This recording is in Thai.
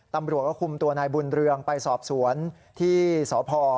ตำรวจก็คุมตัวนายบุญเรืองไปสอบสวนที่สพ